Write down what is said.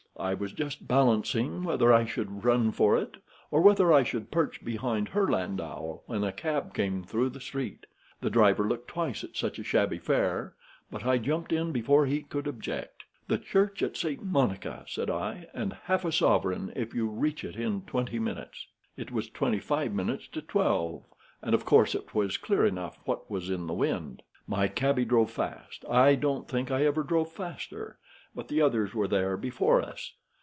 I was just balancing whether I should run for it, or whether I should perch behind her landau, when a cab came through the street. The driver looked twice at such a shabby fare; but I jumped in before he could object. 'The Church of St. Monica,' said I, 'and half a sovereign if you reach it in twenty minutes.' It was twenty five minutes to twelve, and of course it was clear enough what was in the wind. "My cabby drove fast. I don't think I ever drove faster, but the others were there before us.